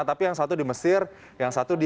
tapi yang satu di mesir yang satu di